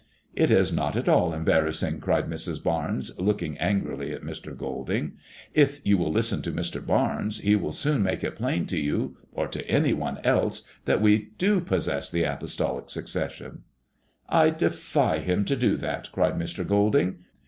It is not at all embarrassing,*' cried Mrs. Barnes, looking angrily at Mr. Oolding. " If you will listen to Mr. Barnes he will soon make it plain to you or to any one else that we do possess the apostolic successioa" I defy him to do that," cried Mr. Golding.